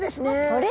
あれ？